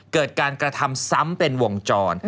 เกิดการกระทำซ้ำเป็นวงจร